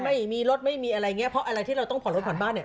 ไม่มีรถไม่มีอะไรอย่างเงี้เพราะอะไรที่เราต้องผ่อนรถผ่อนบ้านเนี่ย